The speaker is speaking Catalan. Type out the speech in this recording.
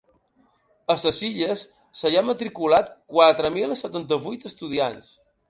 A les Illes, s’hi han matriculat quatre mil setanta-vuit estudiants.